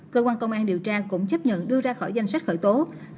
cơ quan công an điều tra cũng chấp nhận đưa ra khỏi danh sách khởi tố